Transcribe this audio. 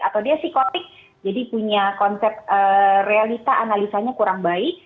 atau dia psikotik jadi punya konsep realita analisanya kurang baik